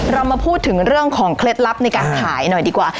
เรามาพูดถึงเรื่องของเคล็ดลับในการขายหน่อยดีกว่า